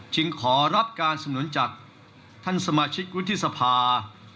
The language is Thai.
ขอรับการสนุนจากท่านสมาชิกวุฒิสภา